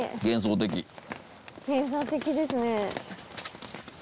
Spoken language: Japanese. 幻想的ですね。